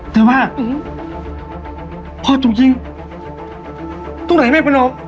แต่ว่าพ่อถูกยิงตรงไหนแม่ประโยชน์